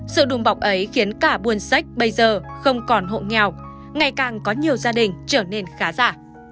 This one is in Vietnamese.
sự đùm bọc ấy khiến cả buôn sách bây giờ không còn hộ nghèo ngày càng có nhiều gia đình trở nên khá giả